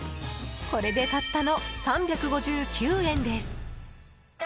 これでたったの３５９円です。